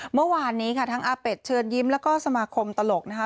เมื่อวานนี้ค่ะทั้งอาเป็ดเชิญยิ้มแล้วก็สมาคมตลกนะคะ